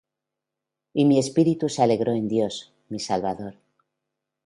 Y mi espíritu se alegró en Dios mi Salvador,